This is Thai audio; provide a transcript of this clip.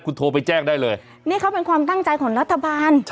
คุณโทรไปแจ้งได้เลยนี่เขาเป็นความตั้งใจของรัฐบาล